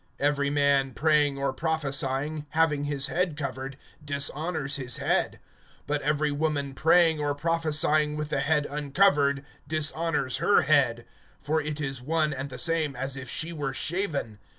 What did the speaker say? (4)Every man praying or prophesying, having his head covered, dishonors his head. (5)But every woman praying or prophesying with the head uncovered, dishonors her head; for it is one and the same as if she were shaven.